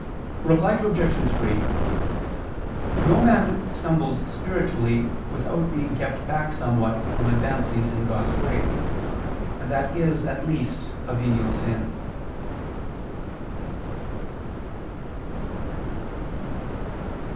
Reply Obj. 3: No man stumbles spiritually, without being kept back somewhat from advancing in God's way, and that is at least a venial sin.